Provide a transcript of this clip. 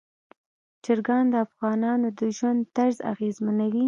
چرګان د افغانانو د ژوند طرز اغېزمنوي.